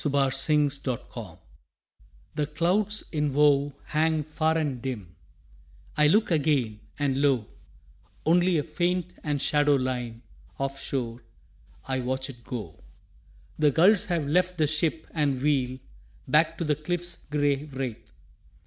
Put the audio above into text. LAST SIGHT OF LAND The clouds in woe hang far and dim: I look again, and lo, Only a faint and shadow line Of shore I watch it go. The gulls have left the ship and wheel Back to the cliff's gray wraith.